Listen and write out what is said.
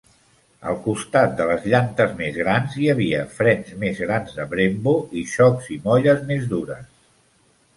Al costat de les llantes més grans, hi havia frens més grans de Brembo i xocs i molles més dures.